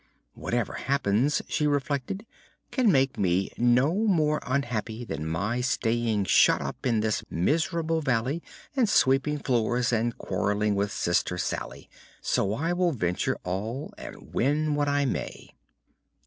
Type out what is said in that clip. "Whatever happens," she reflected, "can make me no more unhappy than my staying shut up in this miserable valley and sweeping floors and quarreling with Sister Salye; so I will venture all, and win what I may."